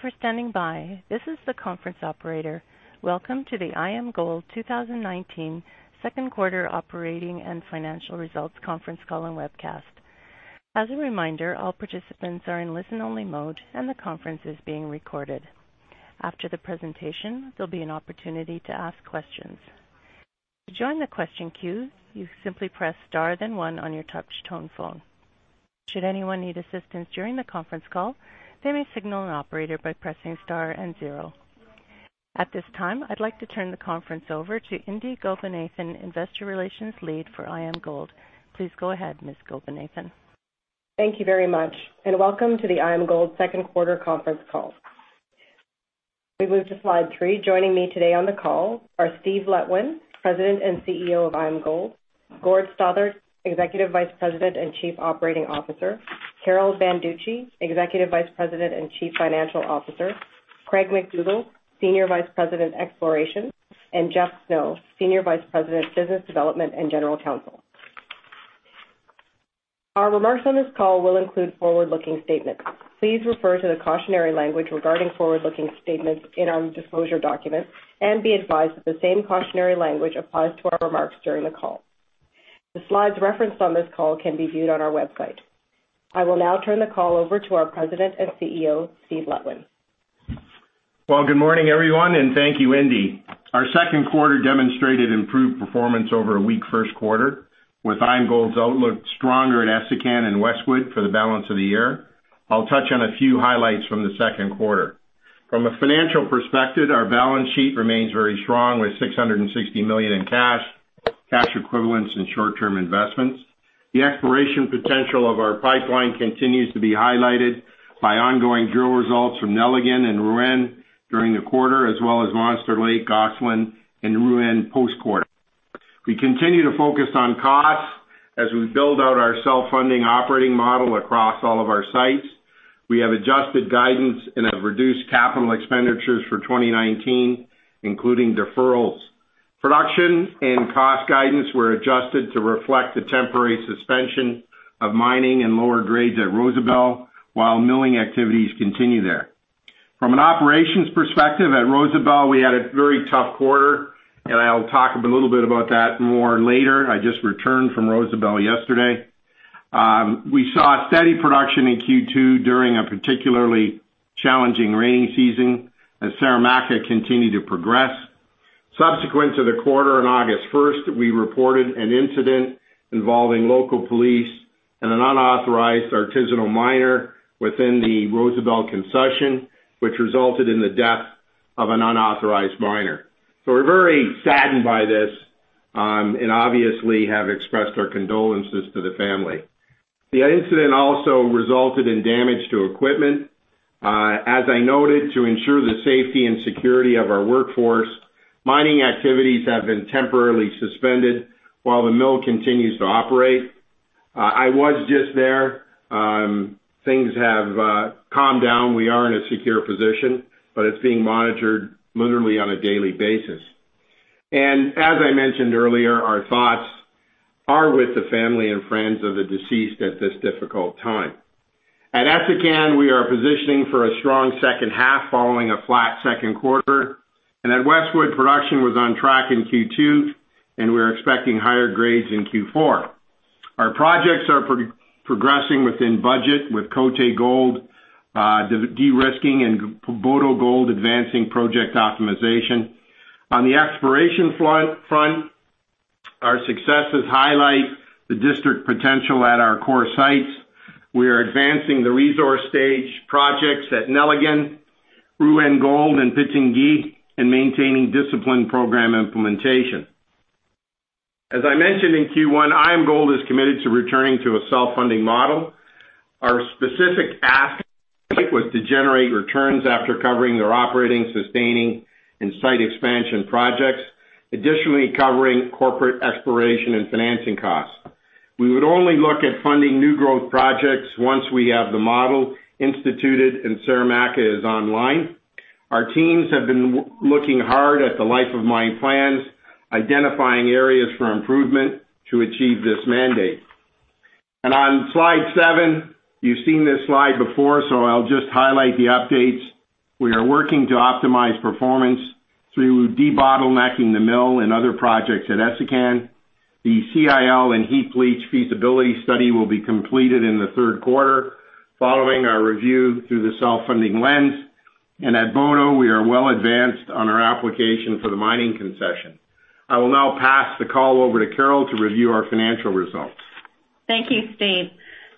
For standing by. This is the conference operator. Welcome to the IAMGOLD 2019 second quarter operating and financial results conference call and webcast. As a reminder, all participants are in listen-only mode, and the conference is being recorded. After the presentation, there'll be an opportunity to ask questions. To join the question queue, you simply press star then one on your touch tone phone. Should anyone need assistance during the conference call, they may signal an operator by pressing star and zero. At this time, I'd like to turn the conference over to Indi Gopinathan, investor relations lead for IAMGOLD. Please go ahead, Ms. Gopinathan. Thank you very much. Welcome to the IAMGOLD second quarter conference call. We move to slide three. Joining me today on the call are Steve Letwin, President and Chief Executive Officer of IAMGOLD, Gord Stothart, Executive Vice President and Chief Operating Officer, Carol Banducci, Executive Vice President and Chief Financial Officer, Craig MacDougall, Senior Vice President, Exploration, and Jeff Snow, Senior Vice President, Business Development and General Counsel. Our remarks on this call will include forward-looking statements. Please refer to the cautionary language regarding forward-looking statements in our disclosure documents, and be advised that the same cautionary language applies to our remarks during the call. The slides referenced on this call can be viewed on our website. I will now turn the call over to our President and Chief Executive Officer, Steve Letwin. Well, good morning, everyone, and thank you, Indi. Our second quarter demonstrated improved performance over a weak first quarter, with IAMGOLD's outlook stronger at Essakane and Westwood for the balance of the year. I'll touch on a few highlights from the second quarter. From a financial perspective, our balance sheet remains very strong, with $660 million in cash equivalents and short-term investments. The exploration potential of our pipeline continues to be highlighted by ongoing drill results from Nelligan and Rouyn during the quarter, as well as Monster Lake, Gosselin and Rouyn post-quarter. We continue to focus on costs as we build out our self-funding operating model across all of our sites. We have adjusted guidance and have reduced capital expenditures for 2019, including deferrals. Production and cost guidance were adjusted to reflect the temporary suspension of mining and lower grades at Rosebel while milling activities continue there. From an operations perspective, at Rosebel, we had a very tough quarter, and I'll talk a little bit about that more later. I just returned from Rosebel yesterday. We saw steady production in Q2 during a particularly challenging rainy season, as Saramacca continued to progress. Subsequent to the quarter on August 1, we reported an incident involving local police and an unauthorized artisanal miner within the Rosebel concession, which resulted in the death of an unauthorized miner. We're very saddened by this, and obviously have expressed our condolences to the family. The incident also resulted in damage to equipment. As I noted, to ensure the safety and security of our workforce, mining activities have been temporarily suspended while the mill continues to operate. I was just there. Things have calmed down. We are in a secure position, but it's being monitored literally on a daily basis. As I mentioned earlier, our thoughts are with the family and friends of the deceased at this difficult time. At Essakane, we are positioning for a strong second half following a flat second quarter. At Westwood, production was on track in Q2, and we're expecting higher grades in Q4. Our projects are progressing within budget, with Côté Gold de-risking and Boto Gold advancing project optimization. On the exploration front, our successes highlight the district potential at our core sites. We are advancing the resource stage projects at Nelligan, Rouyn Gold and Pitangui, and maintaining disciplined program implementation. As I mentioned in Q1, IAMGOLD is committed to returning to a self-funding model. Our specific ask was to generate returns after covering their operating, sustaining, and site expansion projects, additionally covering corporate exploration and financing costs. We would only look at funding new growth projects once we have the model instituted and Saramacca is online. Our teams have been looking hard at the life of mine plans, identifying areas for improvement to achieve this mandate. On slide seven, you've seen this slide before, so I'll just highlight the updates. We are working to optimize performance through de-bottlenecking the mill and other projects at Essakane. The CIL and heap leach feasibility study will be completed in the third quarter following our review through the self-funding lens. At Boto, we are well advanced on our application for the mining concession. I will now pass the call over to Carol to review our financial results. Thank you, Steve.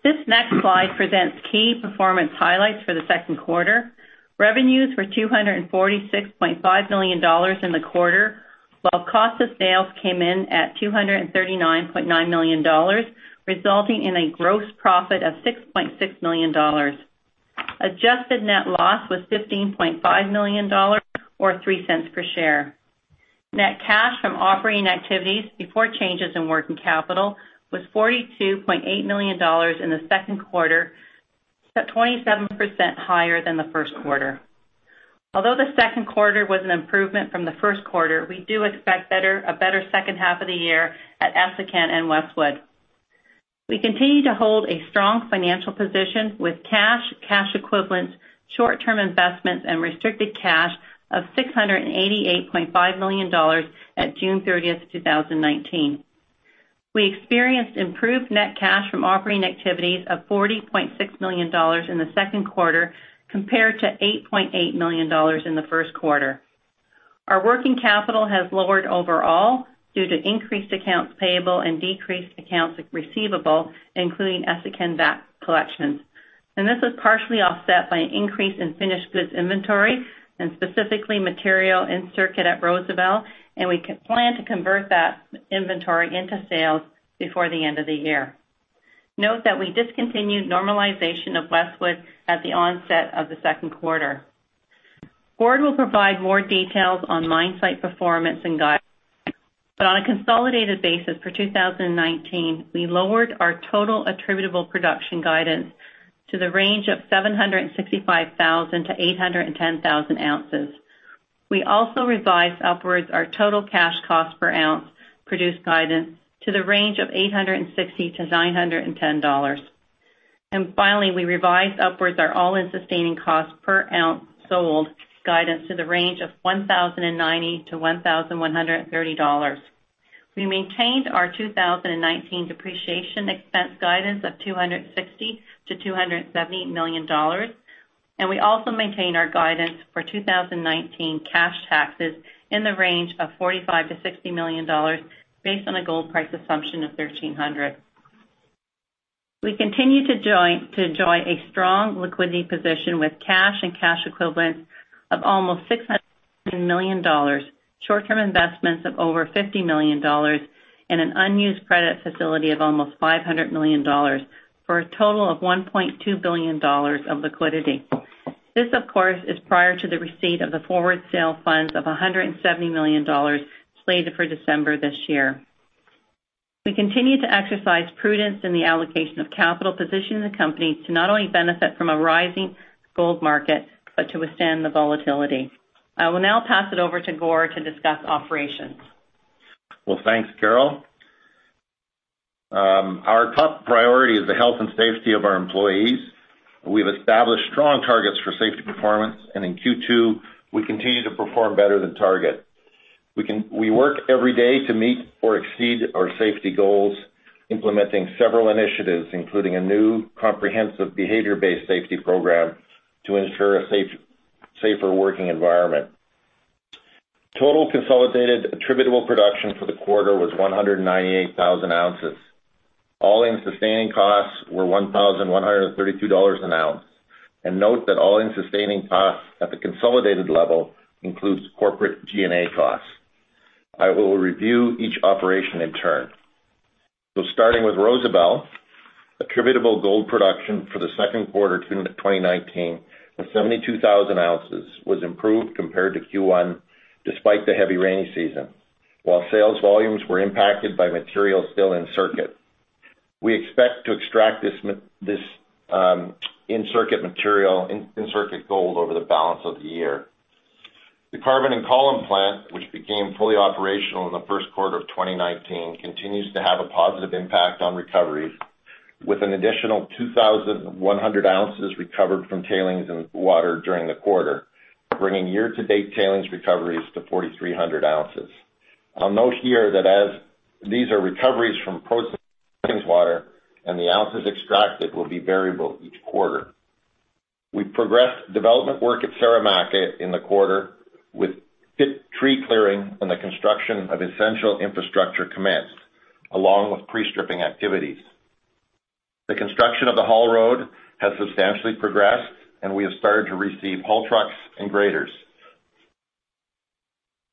This next slide presents key performance highlights for the second quarter. Revenues were $246.5 million in the quarter, while cost of sales came in at $239.9 million, resulting in a gross profit of $6.6 million. Adjusted net loss was $15.5 million, or $0.03 per share. Net cash from operating activities before changes in working capital was $42.8 million in the second quarter, 27% higher than the first quarter. Although the second quarter was an improvement from the first quarter, we do expect a better second half of the year at Essakane and Westwood. We continue to hold a strong financial position with cash equivalents, short-term investments, and restricted cash of $688.5 million at June 30, 2019. We experienced improved net cash from operating activities of $40.6 million in the second quarter, compared to $8.8 million in the first quarter. Our working capital has lowered overall due to increased accounts payable and decreased accounts receivable, including Essakane VAT collections. This was partially offset by an increase in finished goods inventory and specifically material in circuit at Rosebel, and we plan to convert that inventory into sales before the end of the year. Note that we discontinued normalization of Westwood at the onset of the second quarter. Gord will provide more details on mine site performance and guidance. On a consolidated basis for 2019, we lowered our total attributable production guidance to the range of 765,000-810,000 ounces. We also revised upwards our total cash cost per ounce produced guidance to the range of $860-$910. Finally, we revised upwards our all-in sustaining cost per ounce sold guidance to the range of $1,090-$1,130. We maintained our 2019 depreciation expense guidance of $260 million-$270 million, and we also maintain our guidance for 2019 cash taxes in the range of $45 million-$60 million based on a gold price assumption of $1,300. We continue to enjoy a strong liquidity position with cash and cash equivalents of almost $600 million, short-term investments of over $50 million, and an unused credit facility of almost $500 million, for a total of $1.2 billion of liquidity. This, of course, is prior to the receipt of the forward sale funds of $170 million slated for December this year. We continue to exercise prudence in the allocation of capital position in the company to not only benefit from a rising gold market, but to withstand the volatility. I will now pass it over to Gord to discuss operations. Well, thanks, Carol. Our top priority is the health and safety of our employees. We have established strong targets for safety performance, and in Q2, we continue to perform better than target. We work every day to meet or exceed our safety goals, implementing several initiatives, including a new comprehensive behavior-based safety program to ensure a safer working environment. Total consolidated attributable production for the quarter was 198,000 ounces. All-in sustaining costs were $1,132 an ounce. Note that all-in sustaining costs at the consolidated level includes corporate G&A costs. I will review each operation in turn. Starting with Rosebel, attributable gold production for the second quarter of 2019 was 72,000 ounces, was improved compared to Q1 despite the heavy rainy season. While sales volumes were impacted by material still in circuit. We expect to extract this in-circuit gold over the balance of the year. The carbon and column plant, which became fully operational in the first quarter of 2019, continues to have a positive impact on recoveries, with an additional 2,100 ounces recovered from tailings and water during the quarter, bringing year-to-date tailings recoveries to 4,300 ounces. I'll note here that as these are recoveries from processed water and the ounces extracted will be variable each quarter. We progressed development work at Saramacca in the quarter with pit tree clearing and the construction of essential infrastructure commenced, along with pre-stripping activities. The construction of the haul road has substantially progressed, and we have started to receive haul trucks and graders.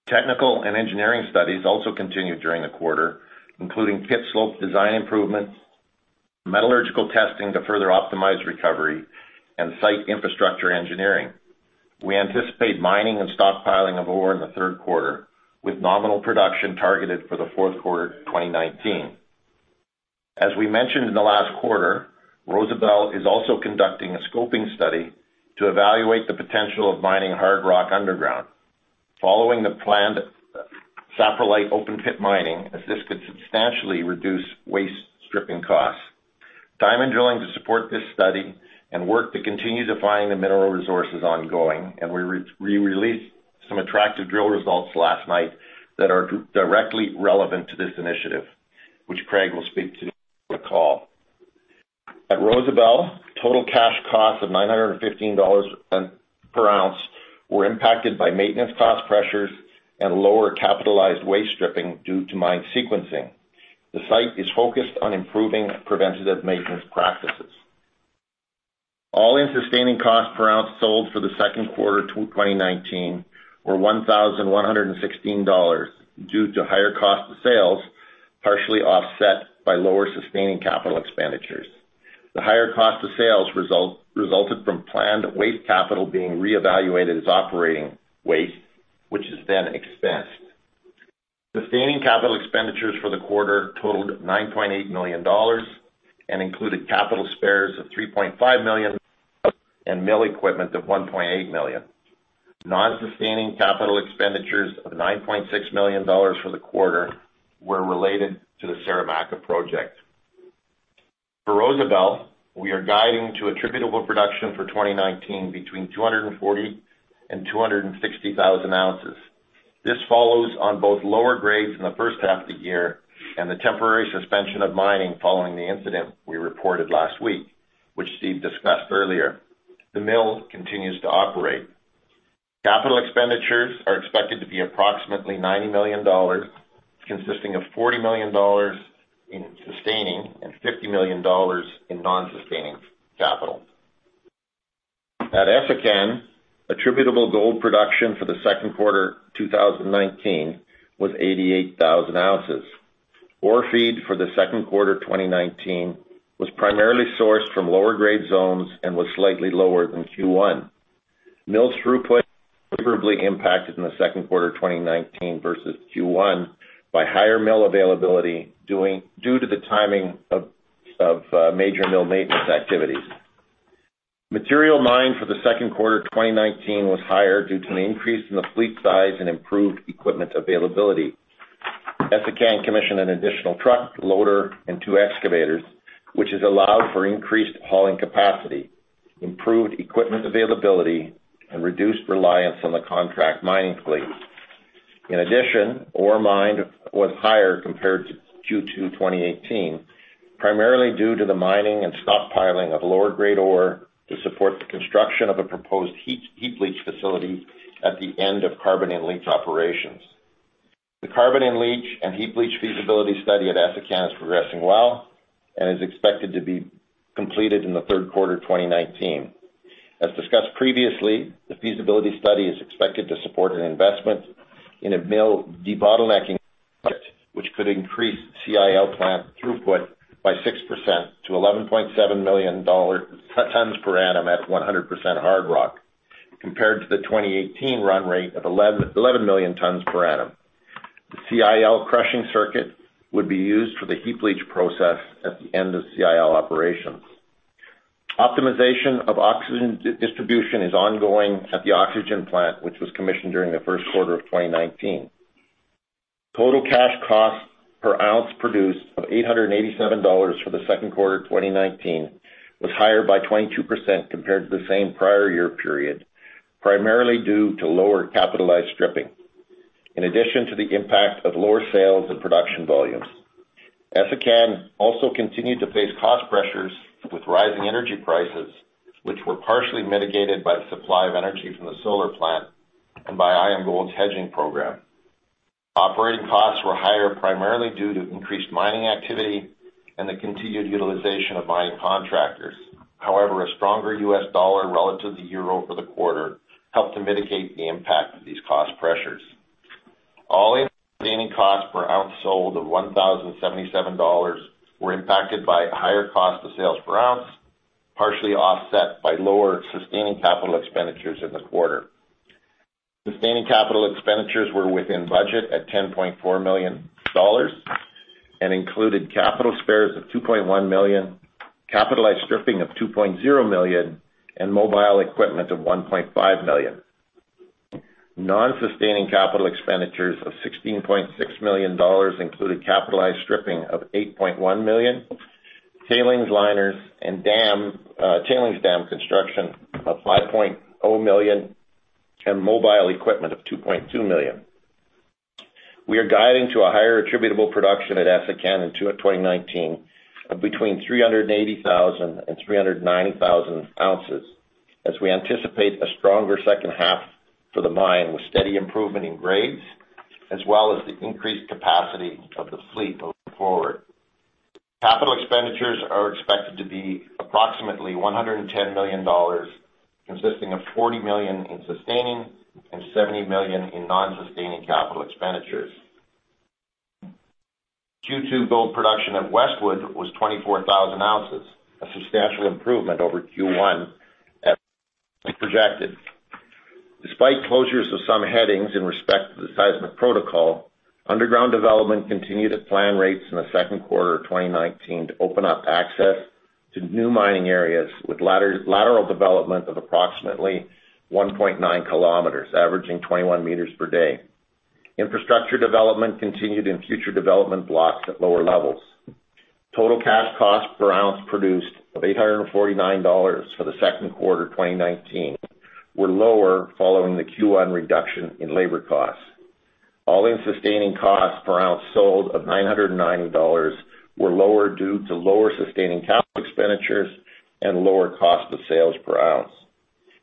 Technical and engineering studies also continued during the quarter, including pit slope design improvements, metallurgical testing to further optimize recovery, and site infrastructure engineering. We anticipate mining and stockpiling of ore in the third quarter, with nominal production targeted for the fourth quarter 2019. As we mentioned in the last quarter, Rosebel is also conducting a scoping study to evaluate the potential of mining hard rock underground. Following the planned saprolite open pit mining, as this could substantially reduce waste stripping costs. Diamond drilling to support this study and work to continue defining the mineral resource is ongoing, and we released some attractive drill results last night that are directly relevant to this initiative, which Craig will speak to on the call. At Rosebel, total cash costs of $915 per ounce were impacted by maintenance cost pressures and lower capitalized waste stripping due to mine sequencing. The site is focused on improving preventative maintenance practices. All-in sustaining cost per ounce sold for the second quarter 2019 were $1,116 due to higher cost of sales, partially offset by lower sustaining capital expenditures. The higher cost of sales resulted from planned waste capital being reevaluated as operating waste, which is then expensed. Sustaining capital expenditures for the quarter totaled $9.8 million and included capital spares of $3.5 million and mill equipment of $1.8 million. Non-sustaining capital expenditures of $9.6 million for the quarter were related to the Saramacca project. For Rosebel, we are guiding to attributable production for 2019 between 240,000 and 260,000 ounces. This follows on both lower grades in the first half of the year and the temporary suspension of mining following the incident we reported last week, which Steve discussed earlier. The mill continues to operate. Capital expenditures are expected to be approximately $90 million, consisting of $40 million in sustaining and $50 million in non-sustaining capital. At Essakane, attributable gold production for the second quarter 2019 was 88,000 ounces. Ore feed for the second quarter 2019 was primarily sourced from lower grade zones and was slightly lower than Q1. Mill's throughput favorably impacted in the second quarter 2019 versus Q1 by higher mill availability due to the timing of major mill maintenance activities. Material mined for the second quarter 2019 was higher due to an increase in the fleet size and improved equipment availability. Essakane commissioned an additional truck, loader, and two excavators, which has allowed for increased hauling capacity, improved equipment availability, and reduced reliance on the contract mining fleet. In addition, ore mined was higher compared to Q2 2018, primarily due to the mining and stockpiling of lower grade ore to support the construction of a proposed heap leach facility at the end of carbon and leach operations. The carbon and leach and heap leach feasibility study at Essakane is progressing well and is expected to be completed in the third quarter 2019. As discussed previously, the feasibility study is expected to support an investment in a mill debottlenecking project, which could increase CIL plant throughput by 6% to 11.7 million tons per annum at 100% hard rock, compared to the 2018 run rate of 11 million tons per annum. The CIL crushing circuit would be used for the heap leach process at the end of CIL operations. Optimization of oxygen distribution is ongoing at the oxygen plant, which was commissioned during the first quarter of 2019. Total cash cost per ounce produced of $887 for the second quarter 2019 was higher by 22% compared to the same prior year period, primarily due to lower capitalized stripping, in addition to the impact of lower sales and production volumes. Essakane also continued to face cost pressures with rising energy prices, which were partially mitigated by the supply of energy from the solar plant and by IAMGOLD's hedging program. Operating costs were higher primarily due to increased mining activity and the continued utilization of mining contractors. A stronger U.S. dollar relative to the euro for the quarter helped to mitigate the impact of these cost pressures. All-in sustaining costs per ounce sold of $1,077 were impacted by a higher cost of sales per ounce, partially offset by lower sustaining capital expenditures in the quarter. Sustaining capital expenditures were within budget at $10.4 million and included capital spares of $2.1 million, capitalized stripping of $2.0 million, and mobile equipment of $1.5 million. Non-sustaining capital expenditures of $16.6 million included capitalized stripping of $8.1 million, tailings liners and tailings dam construction of $5.0 million, and mobile equipment of $2.2 million. We are guiding to a higher attributable production at Essakane in 2019 of between 380,000 and 390,000 ounces, as we anticipate a stronger second half for the mine with steady improvement in grades, as well as the increased capacity of the fleet moving forward. Capital expenditures are expected to be approximately $110 million, consisting of $40 million in sustaining and $70 million in non-sustaining capital expenditures. Q2 gold production at Westwood was 24,000 ounces, a substantial improvement over Q1 as projected. Despite closures of some headings in respect to the seismic protocol, underground development continued at plan rates in the second quarter of 2019 to open up access to new mining areas with lateral development of approximately 1.9 kilometers, averaging 21 meters per day. Infrastructure development continued in future development blocks at lower levels. Total cash cost per ounce produced of $849 for the second quarter 2019 were lower following the Q1 reduction in labor costs. All-in sustaining costs per ounce sold of $990 were lower due to lower sustaining capital expenditures and lower cost of sales per ounce.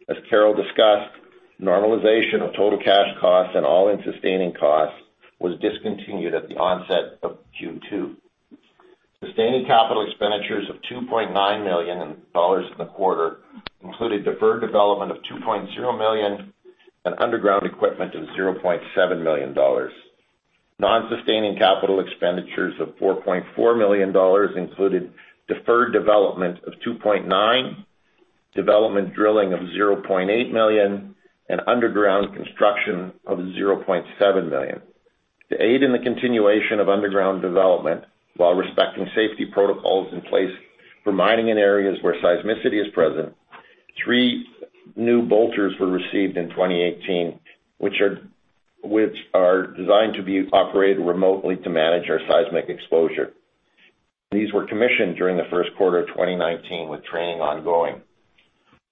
As Carol discussed, normalization of total cash costs and all-in sustaining costs was discontinued at the onset of Q2. Sustaining capital expenditures of $2.9 million in the quarter included deferred development of $2.0 million and underground equipment of $0.7 million. Non-sustaining capital expenditures of $4.4 million included deferred development of $2.9 million, development drilling of $0.8 million, and underground construction of $0.7 million. To aid in the continuation of underground development while respecting safety protocols in place for mining in areas where seismicity is present, three new bolters were received in 2018, which are designed to be operated remotely to manage our seismic exposure. These were commissioned during the first quarter of 2019, with training ongoing.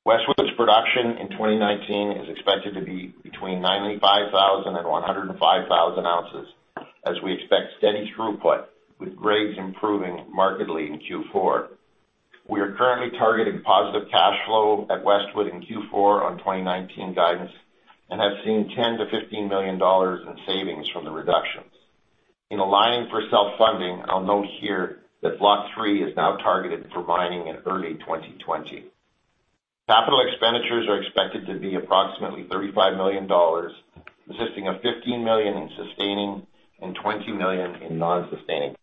Westwood's production in 2019 is expected to be between 95,000-105,000 ounces, as we expect steady throughput, with grades improving markedly in Q4. We are currently targeting positive cash flow at Westwood in Q4 on 2019 guidance and have seen $10 million-$15 million in savings from the reductions. In aligning for self-funding, I'll note here that Block Three is now targeted for mining in early 2020. Capital expenditures are expected to be approximately $35 million, consisting of $15 million in sustaining and $20 million in non-sustaining.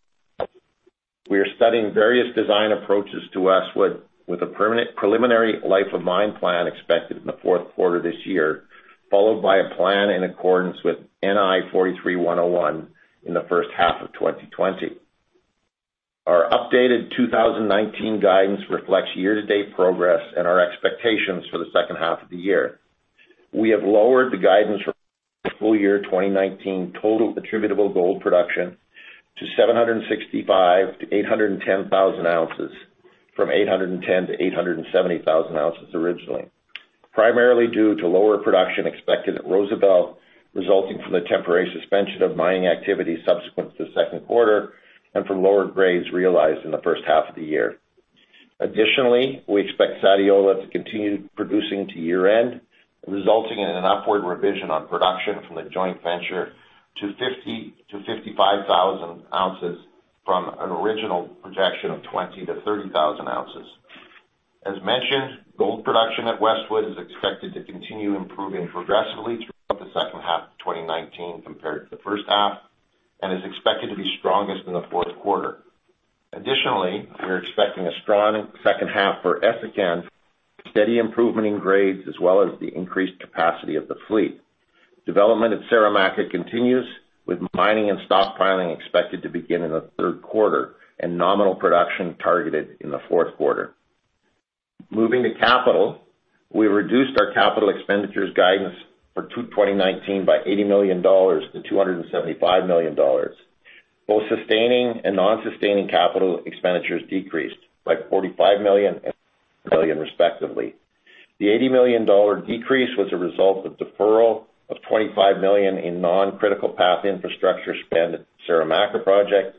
We are studying various design approaches to Westwood with a preliminary life of mine plan expected in the fourth quarter of this year, followed by a plan in accordance with National Instrument 43-101 in the first half of 2020. Our updated 2019 guidance reflects year-to-date progress and our expectations for the second half of the year. We have lowered the guidance for full-year 2019 total attributable gold production to 765,000-810,000 ounces, from 810,000-870,000 ounces originally, primarily due to lower production expected at Rosebel, resulting from the temporary suspension of mining activity subsequent to the second quarter and from lower grades realized in the first half of the year. Additionally, we expect Sadiola to continue producing to year-end, resulting in an upward revision on production from the joint venture to 50,000-55,000 ounces from an original projection of 20,000-30,000 ounces. As mentioned, gold production at Westwood is expected to continue improving progressively throughout the second half of 2019 compared to the first half and is expected to be strongest in the fourth quarter. Additionally, we are expecting a strong second half for Essakane, steady improvement in grades as well as the increased capacity of the fleet. Development at Saramacca continues, with mining and stockpiling expected to begin in the third quarter and nominal production targeted in the fourth quarter. Moving to capital, we reduced our capital expenditures guidance for 2019 by $80 million to $275 million. Both sustaining and non-sustaining capital expenditures decreased by $45 million and $35 million respectively. The $80 million decrease was a result of deferral of $25 million in non-critical path infrastructure spend at Saramacca project,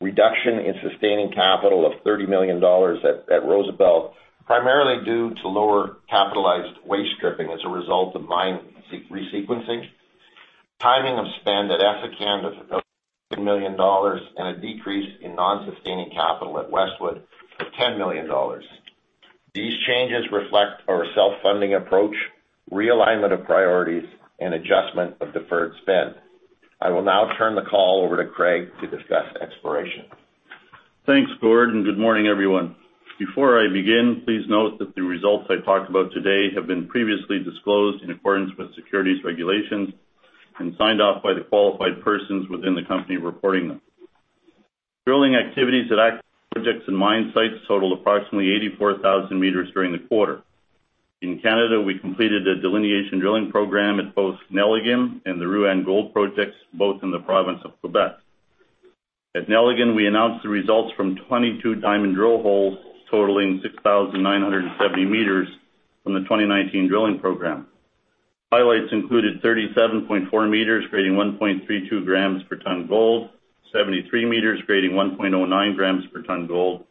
reduction in sustaining capital of $30 million at Rosebel, primarily due to lower capitalized waste stripping as a result of mine resequencing, timing of spend at Essakane of $13 million, a decrease in non-sustaining capital at Westwood of $10 million. These changes reflect our self-funding approach, realignment of priorities, and adjustment of deferred spend. I will now turn the call over to Craig to discuss exploration. Thanks, Gord. Good morning, everyone. Before I begin, please note that the results I talk about today have been previously disclosed in accordance with securities regulations and signed off by the qualified persons within the company reporting them. Drilling activities at active projects and mine sites totaled approximately 84,000 meters during the quarter. In Canada, we completed a delineation drilling program at both Nelligan and the Rouyn Gold projects, both in the province of Quebec. At Nelligan, we announced the results from 22 diamond drill holes, totaling 6,970 meters from the 2019 drilling program. Highlights included 37.4 meters grading 1.32 grams per ton gold, 73 meters grading 1.09 grams per ton gold,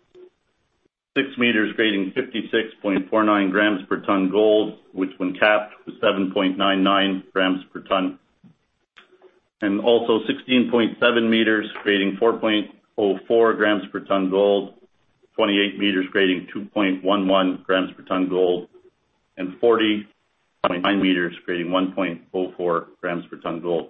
six meters grading 56.49 grams per ton gold, which when capped was 7.99 grams per ton. 16.7 meters grading 4.04 grams per ton gold, 28 meters grading 2.11 grams per ton gold, and 40.9 meters grading 1.04 grams per ton gold.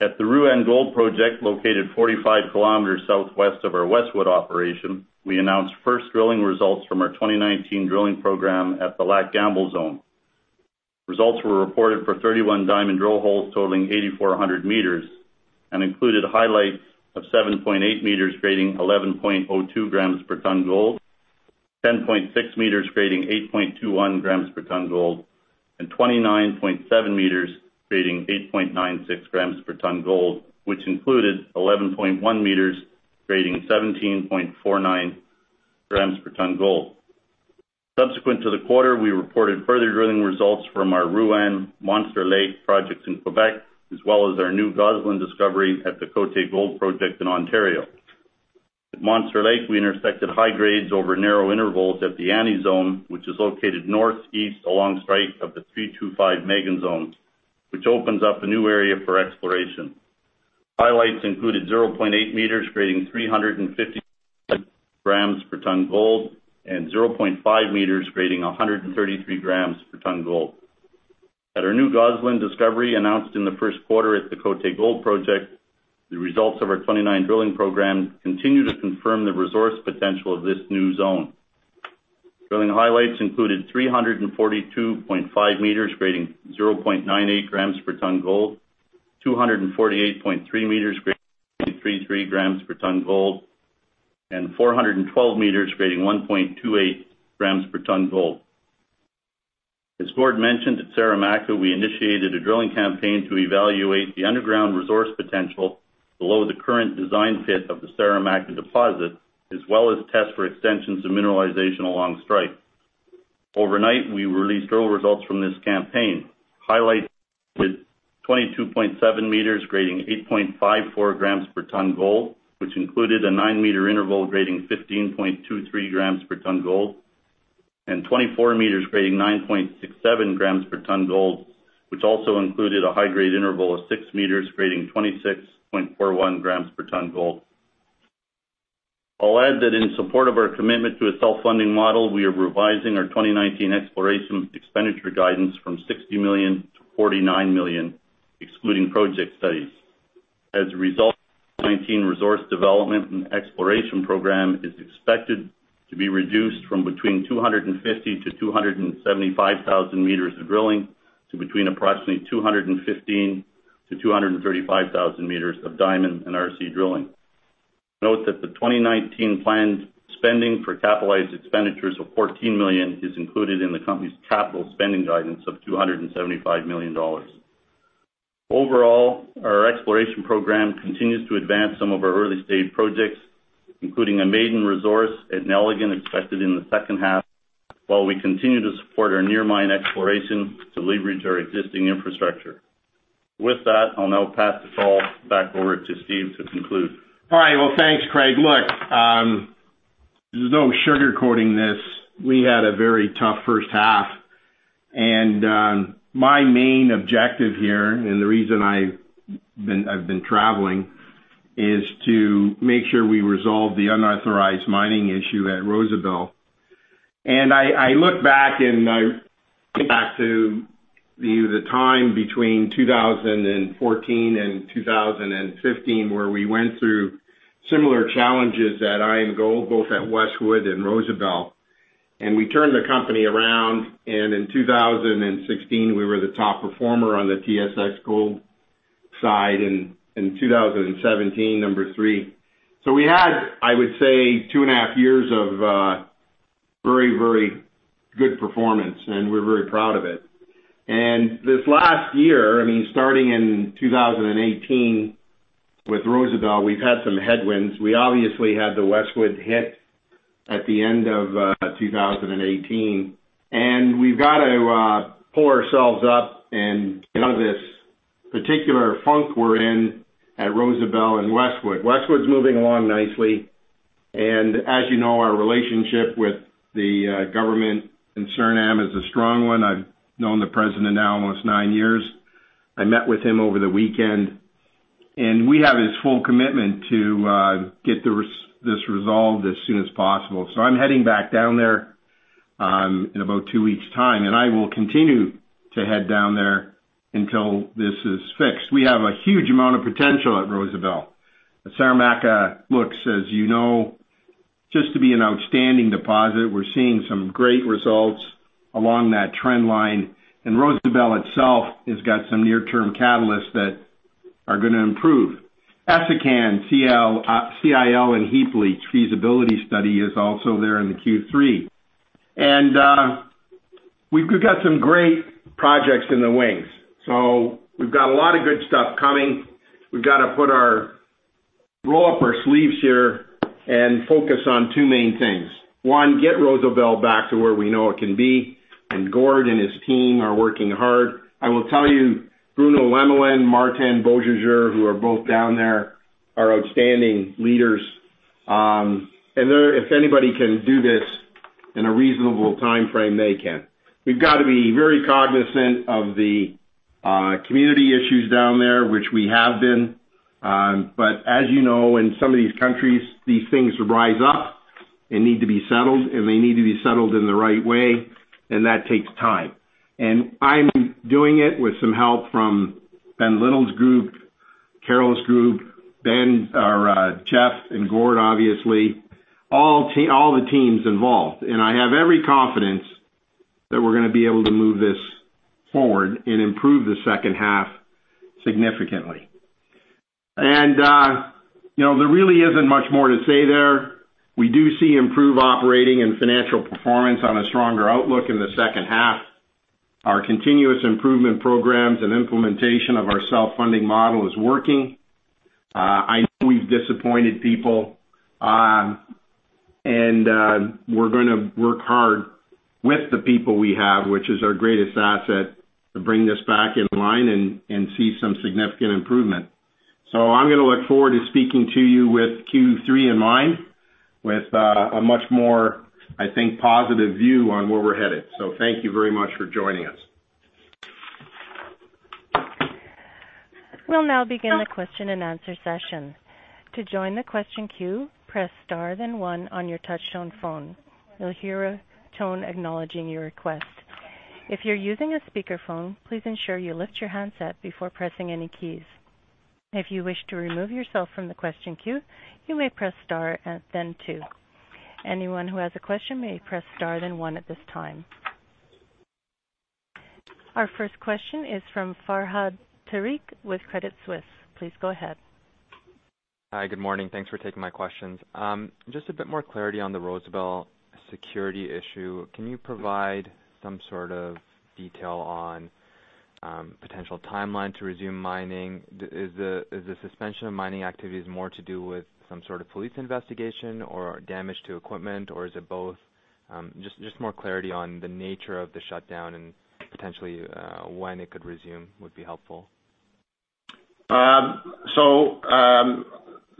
At the Rouyn Gold Project, located 45 kilometers southwest of our Westwood operation, we announced first drilling results from our 2019 drilling program at the Lac Gamble zone. Results were reported for 31 diamond drill holes totaling 8,400 meters and included highlights of 7.8 meters grading 11.02 grams per ton gold, 10.6 meters grading 8.21 grams per ton gold, and 29.7 meters grading 8.96 grams per ton gold, which included 11.1 meters grading 17.49 grams per ton gold. Subsequent to the quarter, we reported further drilling results from our Rouyn Monster Lake projects in Quebec, as well as our new Gosselin discovery at the Côté Gold project in Ontario. At Monster Lake, we intersected high grades over narrow intervals at the Annie Zone, which is located northeast along strike of the 325-Megane Zone, which opens up a new area for exploration. Highlights included 0.8 meters grading 355 grams per ton gold and 0.5 meters grading 133 grams per ton gold. At our new Gosselin discovery announced in the first quarter at the Côté Gold project, the results of our 29 drilling programs continue to confirm the resource potential of this new zone. Drilling highlights included 342.5 meters grading 0.98 grams per ton gold, 248.3 meters grading 33 grams per ton gold, and 412 meters grading 1.28 grams per ton gold. As Gord mentioned, at Saramacca, we initiated a drilling campaign to evaluate the underground resource potential below the current design pit of the Saramacca deposit, as well as test for extensions of mineralization along strike. Overnight, we released drill results from this campaign. Highlights with 22.7 meters grading 8.54 grams per ton gold, which included a nine-meter interval grading 15.23 grams per ton gold, and 24 meters grading 9.67 grams per ton gold, which also included a high-grade interval of six meters grading 26.41 grams per ton gold. I'll add that in support of our commitment to a self-funding model, we are revising our 2019 exploration expenditure guidance from $60 million to $49 million, excluding project studies. As a result, the 2019 resource development and exploration program is expected to be reduced from between 250,000-275,000 meters of drilling to between approximately 215,000-235,000 meters of diamond and RC drilling. Note that the 2019 planned spending for capitalized expenditures of $14 million is included in the company's capital spending guidance of $275 million. Overall, our exploration program continues to advance some of our early-stage projects, including a maiden resource at Nelligan expected in the second half, while we continue to support our near mine exploration to leverage our existing infrastructure. With that, I will now pass the call back over to Steve to conclude. All right. Well, thanks, Craig. Look, there's no sugarcoating this. We had a very tough first half, and my main objective here, and the reason I've been traveling, is to make sure we resolve the unauthorized mining issue at Rosebel. I look back, and I think back to the time between 2014 and 2015, where we went through similar challenges at IAMGOLD, both at Westwood and Rosebel. We turned the company around, and in 2016, we were the top performer on the TSX gold side and in 2017, number 3. We had, I would say, two and a half years of very good performance, and we're very proud of it. This last year, starting in 2018 with Rosebel, we've had some headwinds. We obviously had the Westwood hit at the end of 2018, and we've got to pull ourselves up and get out of this particular funk we're in at Rosebel and Westwood. Westwood's moving along nicely. As you know, our relationship with the government in Suriname is a strong one. I've known the president now almost nine years. I met with him over the weekend, and we have his full commitment to get this resolved as soon as possible. I'm heading back down there in about two weeks' time, and I will continue to head down there until this is fixed. We have a huge amount of potential at Rosebel. The Saramacca looks, as you know, just to be an outstanding deposit. We're seeing some great results along that trend line. Rosebel itself has got some near-term catalysts that are going to improve. Essakane, CIL and heap leach feasibility study is also there in the Q3. We've got some great projects in the wings. We've got a lot of good stuff coming. We've got to roll up our sleeves here and focus on two main things. One, get Rosebel back to where we know it can be, and Gord and his team are working hard. I will tell you, Bruno Lemelin, Martin Beaulieu, who are both down there, are outstanding leaders. If anybody can do this in a reasonable timeframe, they can. We've got to be very cognizant of the community issues down there, which we have been. As you know, in some of these countries, these things rise up and need to be settled, and they need to be settled in the right way, and that takes time. I'm doing it with some help from Ben Little's group, Carol's group, Jeff, and Gord, obviously, all the teams involved. I have every confidence that we're going to be able to move this forward and improve the second half significantly. There really isn't much more to say there. We do see improved operating and financial performance on a stronger outlook in the second half. Our continuous improvement programs and implementation of our self-funding model is working. I know we've disappointed people. We're going to work hard with the people we have, which is our greatest asset, to bring this back in line and see some significant improvement. I'm going to look forward to speaking to you with Q3 in mind with a much more, I think, positive view on where we're headed. Thank you very much for joining us. We'll now begin the question and answer session. To join the question queue, press star then one on your touch tone phone. You'll hear a tone acknowledging your request. If you're using a speakerphone, please ensure you lift your handset before pressing any keys. If you wish to remove yourself from the question queue, you may press star and then two. Anyone who has a question may press star then one at this time. Our first question is from Fahad Tariq with Credit Suisse. Please go ahead. Hi, good morning. Thanks for taking my questions. A bit more clarity on the Rosebel security issue. Can you provide some sort of detail on potential timeline to resume mining? Is the suspension of mining activities more to do with some sort of police investigation or damage to equipment, or is it both? More clarity on the nature of the shutdown and potentially when it could resume would be helpful.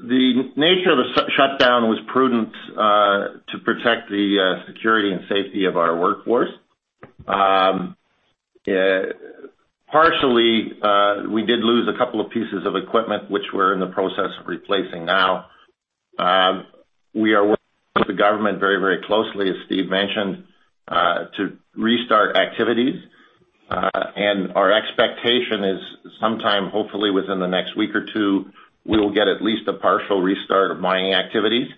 The nature of the shutdown was prudent to protect the security and safety of our workforce. Partially, we did lose a couple of pieces of equipment, which we're in the process of replacing now. We are working with the government very closely, as Steve mentioned, to restart activities. Our expectation is sometime, hopefully within the next week or two, we will get at least a partial restart of mining activities.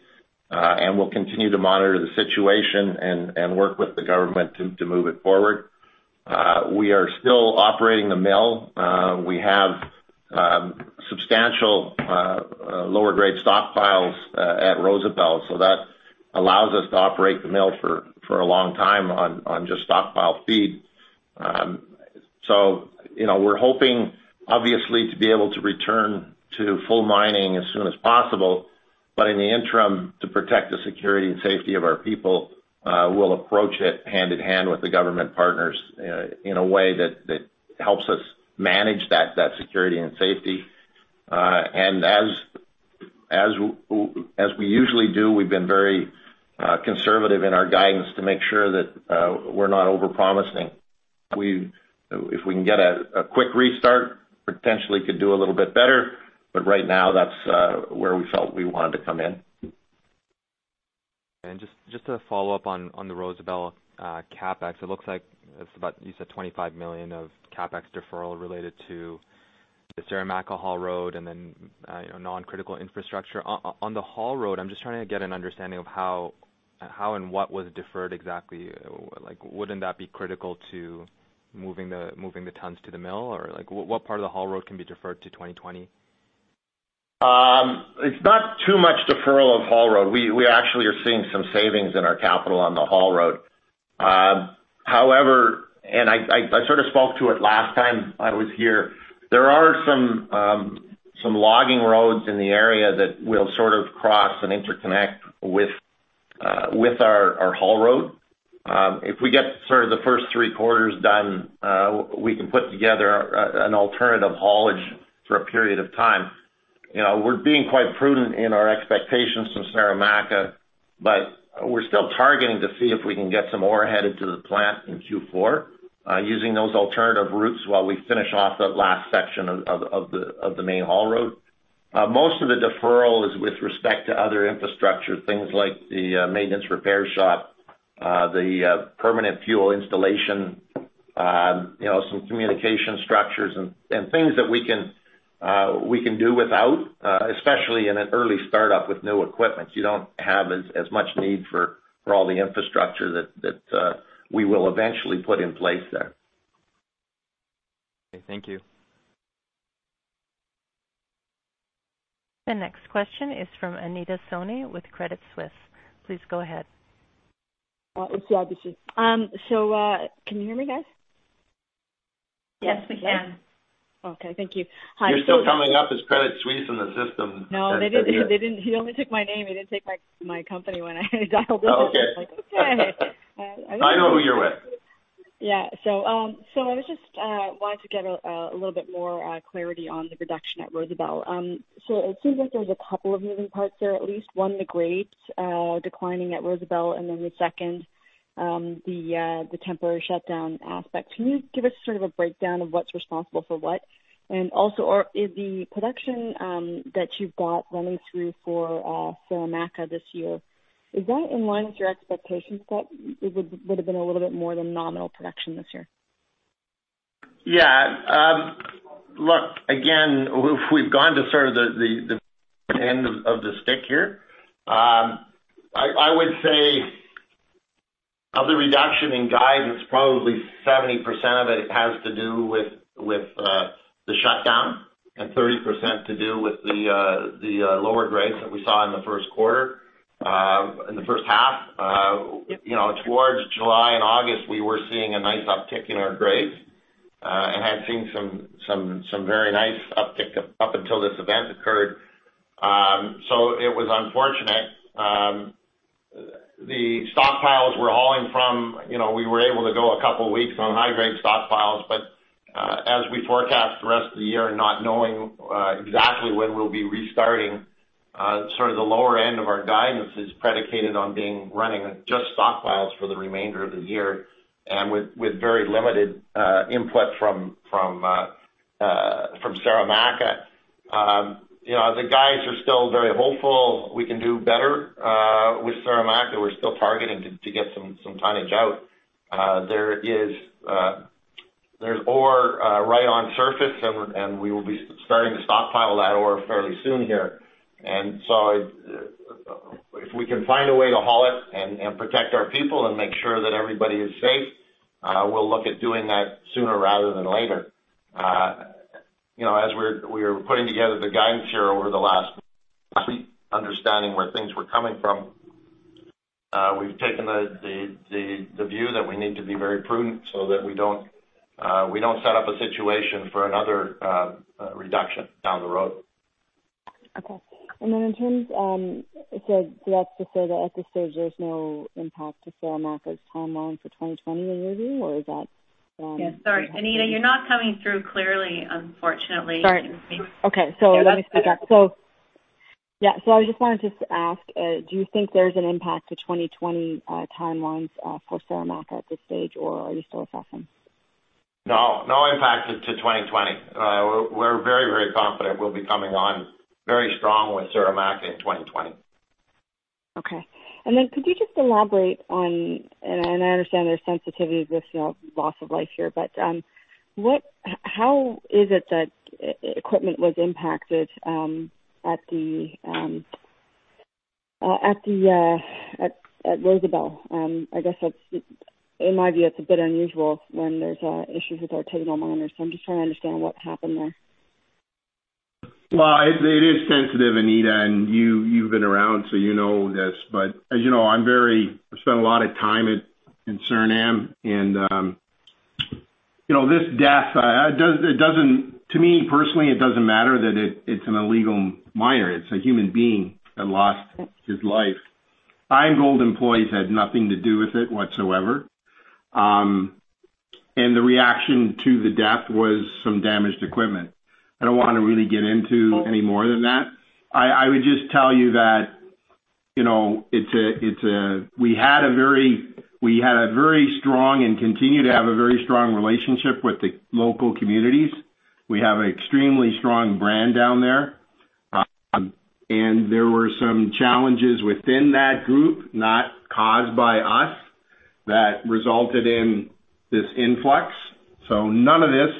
We'll continue to monitor the situation and work with the government to move it forward. We are still operating the mill. We have substantial lower grade stockpiles at Rosebel, so that allows us to operate the mill for a long time on just stockpile feed. We're hoping, obviously, to be able to return to full mining as soon as possible. In the interim, to protect the security and safety of our people, we'll approach it hand in hand with the government partners in a way that helps us manage that security and safety. As we usually do, we've been very conservative in our guidance to make sure that we're not over-promising. If we can get a quick restart, potentially could do a little bit better. Right now, that's where we felt we wanted to come in. Just to follow up on the Rosebel CapEx, it looks like it's about, you said, $25 million of CapEx deferral related to the Saramacca Haul Road and then non-critical infrastructure. On the Haul Road, I'm just trying to get an understanding of how and what was deferred exactly. Wouldn't that be critical to moving the tons to the mill? What part of the Haul Road can be deferred to 2020? It's not too much deferral of Haul Road. We actually are seeing some savings in our capital on the Haul Road. However, I sort of spoke to it last time I was here, there are some logging roads in the area that will sort of cross and interconnect with our Haul Road. If we get sort of the first three quarters done, we can put together an alternative haulage for a period of time. We're being quite prudent in our expectations from Saramacca, but we're still targeting to see if we can get some ore headed to the plant in Q4 using those alternative routes while we finish off that last section of the main Haul Road. Most of the deferral is with respect to other infrastructure, things like the maintenance repair shop, the permanent fuel installation, some communication structures, and things that we can do without, especially in an early startup with new equipment. You don't have as much need for all the infrastructure that we will eventually put in place there. Okay, thank you. The next question is from Anita Soni with Credit Suisse. Please go ahead. It's the RBC. Can you hear me guys? Yes, we can. Okay, thank you. Hi. You're still coming up as Credit Suisse in the system. No, they didn't. He only took my name, he didn't take my company when I dialed in. Okay. I was like, okay. I know who you're with. I was just wanting to get a little bit more clarity on the reduction at Rosebel. It seems like there's a couple of moving parts there, at least one, the grades declining at Rosebel, and then the second, the temporary shutdown aspect. Can you give us sort of a breakdown of what's responsible for what? Is the production that you've got running through for Saramacca this year, is that in line with your expectations that it would have been a little bit more than nominal production this year? Yeah. Look, again, we've gone to sort of the end of the stick here. I would say of the reduction in guidance, probably 70% of it has to do with the shutdown and 30% to do with the lower grades that we saw in the first quarter, in the first half. Towards July and August, we were seeing a nice uptick in our grades and had seen some very nice uptick up until this event occurred. It was unfortunate. The stockpiles we're hauling from, we were able to go a couple weeks on high-grade stockpiles, but as we forecast the rest of the year, not knowing exactly when we'll be restarting, sort of the lower end of our guidance is predicated on running just stockpiles for the remainder of the year and with very limited input from Saramacca. The guys are still very hopeful we can do better. targeting to get some tonnage out. There's ore right on surface, and we will be starting to stockpile that ore fairly soon here. If we can find a way to haul it and protect our people and make sure that everybody is safe, we'll look at doing that sooner rather than later. As we were putting together the guidance here over the last week, understanding where things were coming from, we've taken the view that we need to be very prudent so that we don't set up a situation for another reduction down the road. Okay. Then in terms, that's to say that at this stage there's no impact to Saramacca's timeline for 2020 review or is that? Yeah. Sorry, Anita, you're not coming through clearly, unfortunately. Sorry. Okay. Let me speak up. Yeah, that's better. Yeah. I just wanted to ask, do you think there's an impact to 2020 timelines for Saramacca at this stage, or are you still assessing? No. No impact to 2020. We're very confident we'll be coming on very strong with Saramacca in 2020. Okay. Could you just elaborate on, and I understand there's sensitivity with loss of life here, how is it that equipment was impacted at Rosebel? I guess that's, in my view, it's a bit unusual when there's issues with our technical miners. I'm just trying to understand what happened there. It is sensitive, Anita, and you've been around so you know this, but as you know, I've spent a lot of time at Suriname, and this death, to me personally, it doesn't matter that it's an illegal miner. It's a human being that lost his life. IAMGOLD employees had nothing to do with it whatsoever. The reaction to the death was some damaged equipment. I don't want to really get into any more than that. I would just tell you that we had a very strong, and continue to have a very strong relationship with the local communities. We have an extremely strong brand down there. There were some challenges within that group, not caused by us, that resulted in this influx. None of this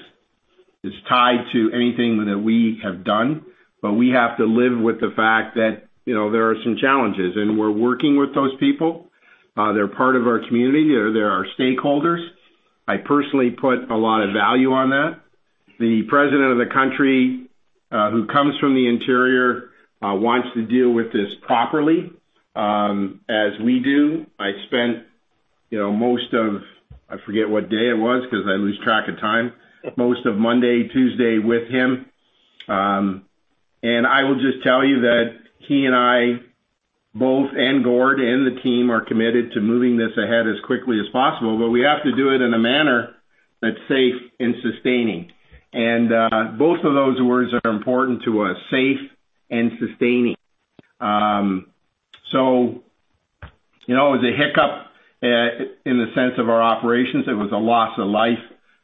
is tied to anything that we have done, but we have to live with the fact that there are some challenges, and we're working with those people. They're part of our community. They're our stakeholders. I personally put a lot of value on that. The president of the country, who comes from the interior, wants to deal with this properly, as we do. I spent most of, I forget what day it was because I lose track of time, most of Monday, Tuesday with him. I will just tell you that he and I both, and Gord and the team, are committed to moving this ahead as quickly as possible, but we have to do it in a manner that's safe and sustaining. Both of those words are important to us, safe and sustaining. It was a hiccup, in the sense of our operations. It was a loss of life,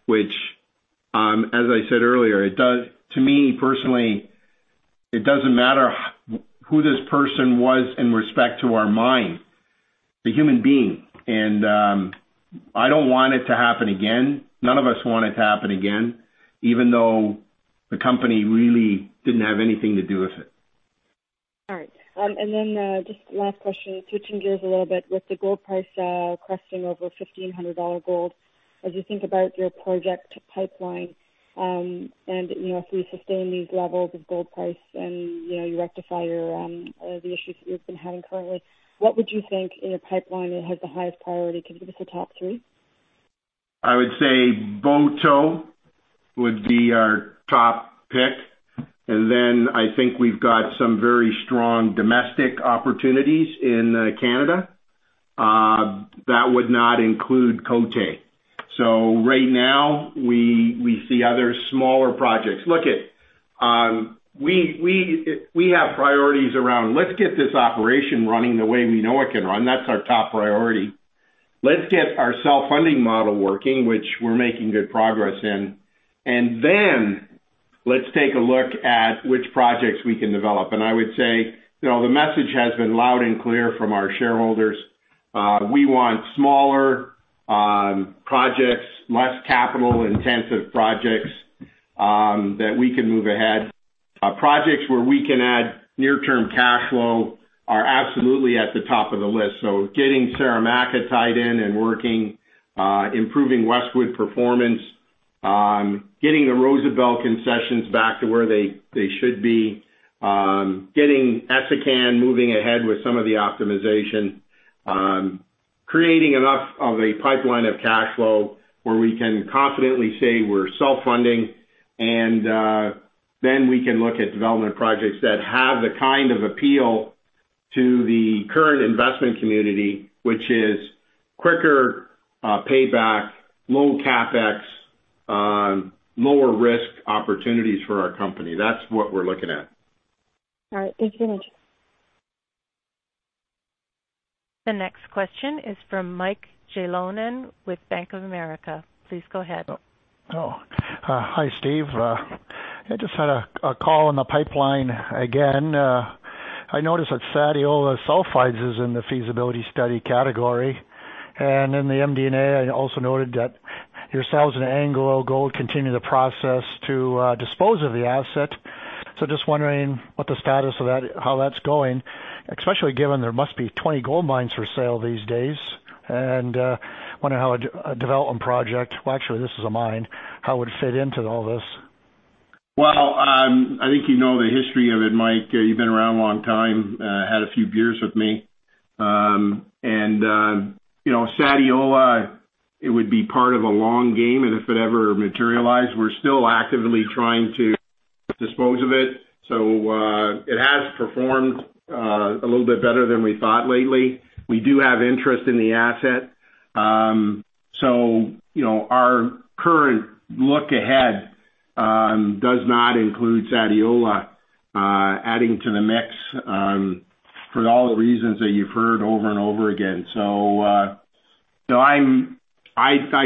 which, as I said earlier, to me personally, it doesn't matter who this person was in respect to our mine. It's a human being. I don't want it to happen again. None of us want it to happen again, even though the company really didn't have anything to do with it. All right. Just last question, switching gears a little bit. With the gold price cresting over $1,500 gold, as you think about your project pipeline, and if we sustain these levels of gold price and you rectify the issues that you've been having currently, what would you think in your pipeline that has the highest priority? Could you give us the top three? I would say Boto would be our top pick. I think we've got some very strong domestic opportunities in Canada. That would not include Côté. Right now, we see other smaller projects. We have priorities around let's get this operation running the way we know it can run. That's our top priority. Let's get our self-funding model working, which we're making good progress in. Let's take a look at which projects we can develop. I would say the message has been loud and clear from our shareholders. We want smaller projects, less capital-intensive projects, that we can move ahead. Projects where we can add near-term cash flow are absolutely at the top of the list. Getting Saramacca tied in and working. Improving Westwood performance. Getting the Rosebel concessions back to where they should be. Getting Essakane moving ahead with some of the optimization. Creating enough of a pipeline of cash flow where we can confidently say we're self-funding, then we can look at development projects that have the kind of appeal to the current investment community, which is quicker payback, low CapEx, lower risk opportunities for our company. That's what we're looking at. All right. Thank you very much. The next question is from Michael Jalonen with Bank of America. Please go ahead. Hi, Steve. I just had a call in the pipeline again. I noticed that Sadiola sulfides is in the feasibility study category, and in the MD&A, I also noted that yourselves and AngloGold continue the process to dispose of the asset. Just wondering what the status of that, how that's going, especially given there must be 20 gold mines for sale these days, and wonder how a development project, well, actually, this is a mine, how it would fit into all this. Well, I think you know the history of it, Mike. You've been around a long time, had a few beers with me. Sadiola, it would be part of a long game, and if it ever materialized, we're still actively trying to dispose of it. It has performed a little bit better than we thought lately. We do have interest in the asset. Our current look ahead does not include Sadiola adding to the mix for all the reasons that you've heard over and over again. I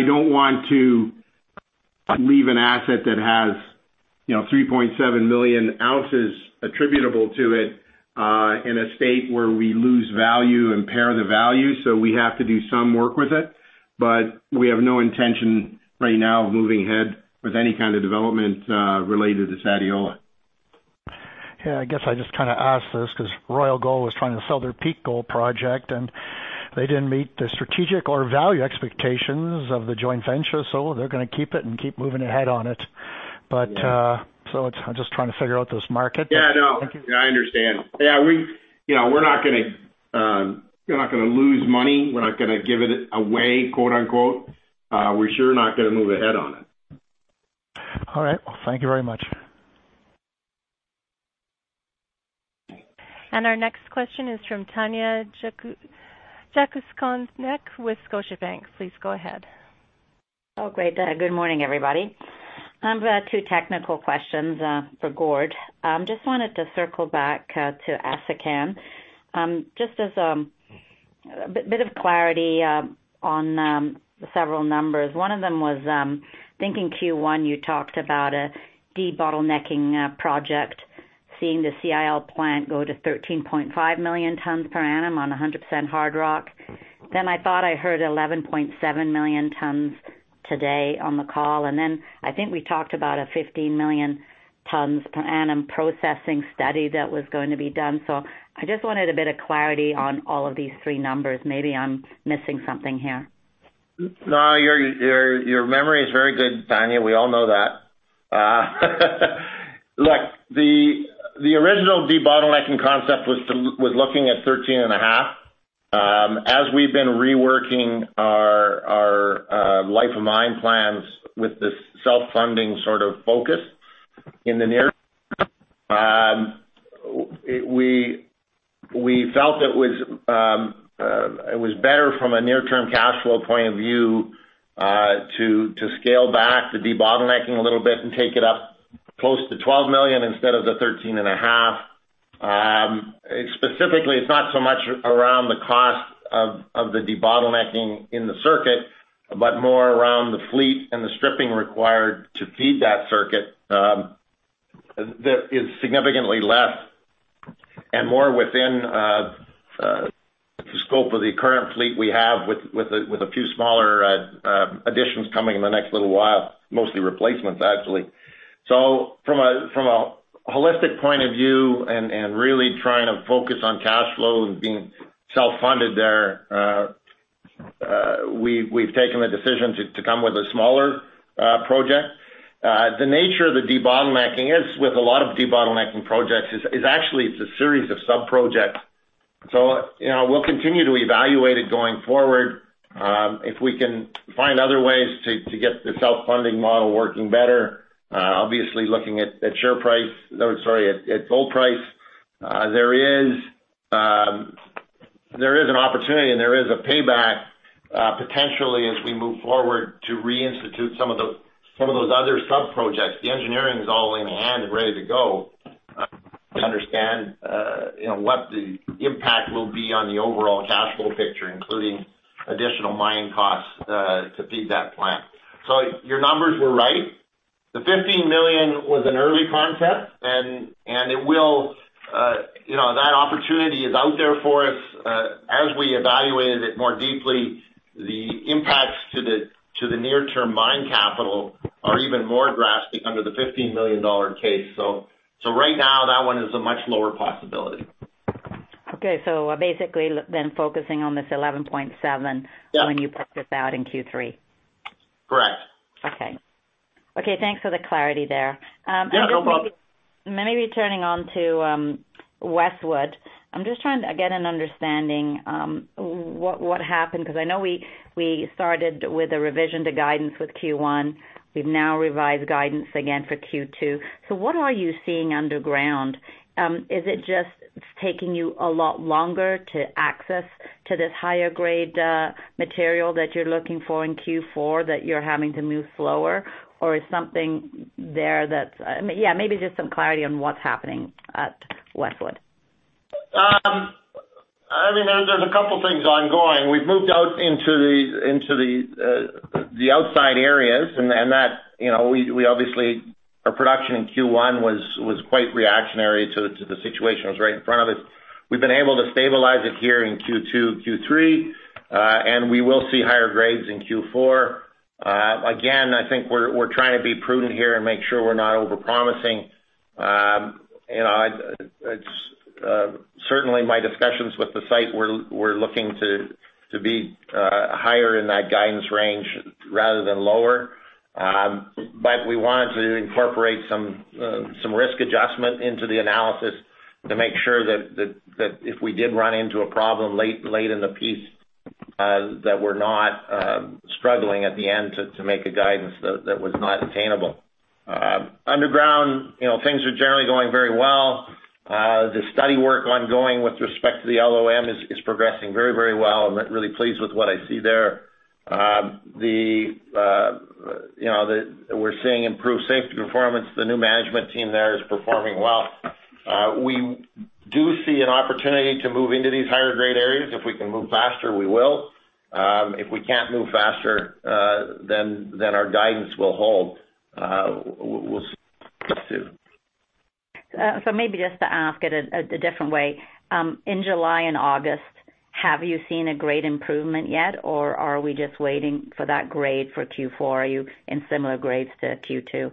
don't want to leave an asset that has 3.7 million ounces attributable to it in a state where we lose value, impair the value. We have to do some work with it. We have no intention right now of moving ahead with any kind of development related to Sadiola. Yeah, I guess I just asked this because Royal Gold was trying to sell their Peak Gold project, and they didn't meet the strategic or value expectations of the joint venture, so they're going to keep it and keep moving ahead on it. Yeah. I'm just trying to figure out this market. No, I understand. We're not going to lose money. We're not going to give it away, quote unquote. We're sure not going to move ahead on it. All right. Well, thank you very much. Our next question is from Tanya Jakusconek with Scotiabank. Please go ahead. Oh, great. Good morning, everybody. I've got two technical questions for Gord. Just wanted to circle back to Essakane. Just as a bit of clarity on several numbers. One of them was I'm thinking Q1, you talked about a debottlenecking project, seeing the CIL plant go to 13.5 million tons per annum on 100% hard rock. I thought I heard 11.7 million tons today on the call. I think we talked about a 15 million tons per annum processing study that was going to be done. I just wanted a bit of clarity on all of these three numbers. Maybe I'm missing something here. No, your memory is very good, Tanya. We all know that. Look, the original debottlenecking concept was looking at 13.5. As we've been reworking our life of mine plans with this self-funding sort of focus in the near. We felt it was better from a near-term cash flow point of view to scale back the debottlenecking a little bit and take it up close to 12 million instead of the 13.5. Specifically, it's not so much around the cost of the debottlenecking in the circuit, but more around the fleet and the stripping required to feed that circuit that is significantly less and more within the scope of the current fleet we have with a few smaller additions coming in the next little while, mostly replacements, actually. From a holistic point of view and really trying to focus on cash flow and being self-funded there, we've taken the decision to come with a smaller project. The nature of the debottlenecking is with a lot of debottlenecking projects, is actually it's a series of sub-projects. We'll continue to evaluate it going forward. If we can find other ways to get the self-funding model working better, obviously looking at share price, sorry, at gold price, there is an opportunity and there is a payback, potentially as we move forward to reinstitute some of those other sub-projects. The engineering is all in hand and ready to go to understand what the impact will be on the overall cash flow picture, including additional mining costs to feed that plant. Your numbers were right. The $15 million was an early concept, and that opportunity is out there for us. As we evaluated it more deeply, the impacts to the near-term mine capital are even more drastic under the $15 million case. Right now, that one is a much lower possibility. Basically then focusing on this 11.7- Yeah when you put this out in Q3. Correct. Okay. Thanks for the clarity there. Yeah, no problem. Maybe turning on to Westwood. I'm just trying to get an understanding what happened, because I know we started with a revision to guidance with Q1. We've now revised guidance again for Q2. What are you seeing underground? Is it just taking you a lot longer to access to this higher grade material that you're looking for in Q4 that you're having to move slower? Or is something there? Yeah, maybe just some clarity on what's happening at Westwood. I mean, there's a couple things ongoing. We've moved out into the outside areas, and obviously, our production in Q1 was quite reactionary to the situation. It was right in front of us. We've been able to stabilize it here in Q2, Q3. We will see higher grades in Q4. Again, I think we're trying to be prudent here and make sure we're not over-promising. Certainly, my discussions with the site, we're looking to be higher in that guidance range rather than lower. We wanted to incorporate some risk adjustment into the analysis to make sure that if we did run into a problem late in the piece, that we're not struggling at the end to make a guidance that was not attainable. Underground, things are generally going very well. The study work ongoing with respect to the LOM is progressing very well. I'm really pleased with what I see there. We're seeing improved safety performance. The new management team there is performing well. We do see an opportunity to move into these higher grade areas. If we can move faster, we will. If we can't move faster, then our guidance will hold. We'll see. Maybe just to ask it a different way. In July and August, have you seen a grade improvement yet, or are we just waiting for that grade for Q4? Are you in similar grades to Q2?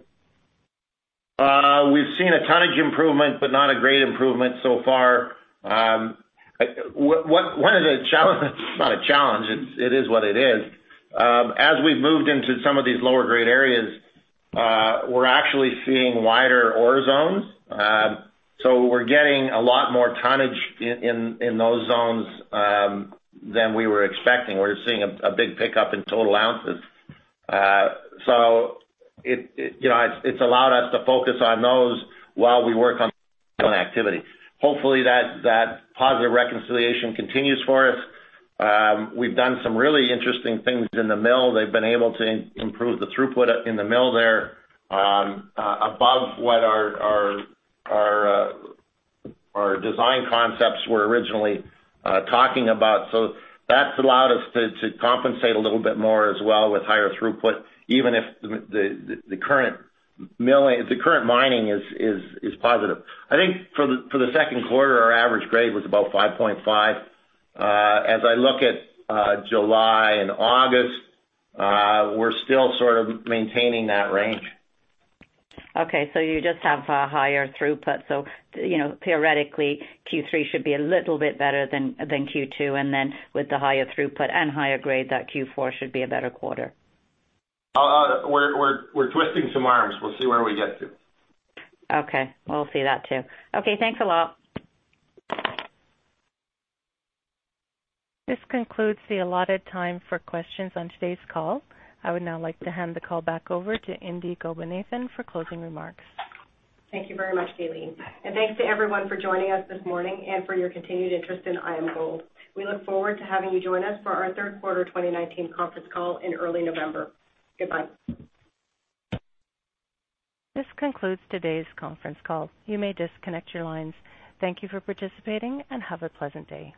We've seen a tonnage improvement but not a grade improvement so far. One of the challenges, it's not a challenge, it is what it is. As we've moved into some of these lower grade areas, we're actually seeing wider ore zones. We're getting a lot more tonnage in those zones than we were expecting. We're seeing a big pickup in total ounces. It's allowed us to focus on those while we work on activity. Hopefully that positive reconciliation continues for us. We've done some really interesting things in the mill. They've been able to improve the throughput in the mill there above what our design concepts were originally talking about. That's allowed us to compensate a little bit more as well with higher throughput, even if the current mining is positive. I think for the second quarter, our average grade was about 5.5. As I look at July and August, we're still sort of maintaining that range. Okay, you just have a higher throughput. Theoretically, Q3 should be a little bit better than Q2, and then with the higher throughput and higher grade, that Q4 should be a better quarter. We're twisting some arms. We'll see where we get to. Okay. We'll see that, too. Okay, thanks a lot. This concludes the allotted time for questions on today's call. I would now like to hand the call back over to Indi Gopinathan for closing remarks. Thank you very much, Kaylene. Thanks to everyone for joining us this morning and for your continued interest in IAMGOLD. We look forward to having you join us for our third quarter 2019 conference call in early November. Goodbye. This concludes today's conference call. You may disconnect your lines. Thank you for participating, and have a pleasant day.